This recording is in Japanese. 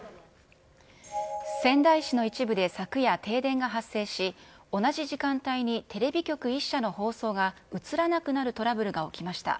仙台市の一部で昨夜、停電が発生し、同じ時間帯にテレビ局１社の放送が映らなくなるトラブルが起きました。